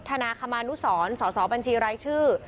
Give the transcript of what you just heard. ธนาคมนุษรสอบบัญชีไร้ชื่อ